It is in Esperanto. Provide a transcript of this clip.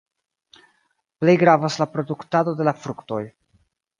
Plej gravas la produktado de la fruktoj.